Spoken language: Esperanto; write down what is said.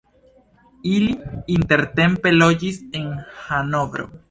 Ili intertempe loĝis en Hanovro.